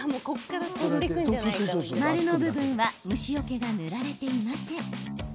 丸の部分は虫よけが塗られていません。